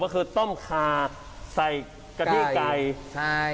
พี่บอกว่าบ้านทุกคนในที่นี่